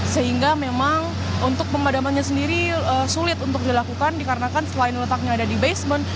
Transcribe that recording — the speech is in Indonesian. sehingga memang untuk pemadamannya sendiri sulit untuk dilakukan dikarenakan selain letaknya ada di basement